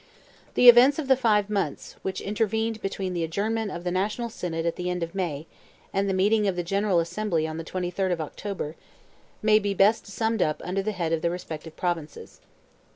The events of the five months, which intervened between the adjournment of the National Synod at the end of May, and the meeting of the General Assembly on the 23rd of October, may best be summed up under the head of the respective provinces.